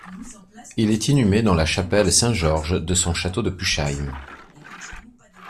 Il est inhumé dans la chapelle Saint-Georges de son château de Puchheim.